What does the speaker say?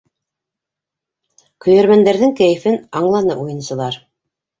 Көйәрмәндәрҙең кәйефен аңланы уйынсылар.